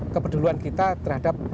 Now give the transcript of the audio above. kepeduluan kita terhadap